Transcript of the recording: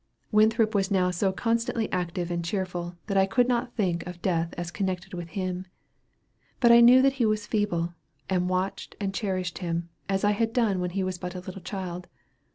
Winthrop was now so constantly active and cheerful, that I could not think of death as connected with him. But I knew that he was feeble, and watched and cherished him, as I had done when he was but a little child.